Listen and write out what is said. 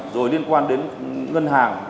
rồi liên quan đến ngân hàng